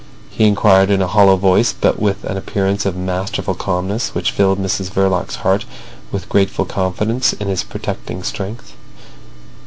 he inquired in a hollow voice, but with an appearance of masterful calmness which filled Mrs Verloc's heart with grateful confidence in his protecting strength.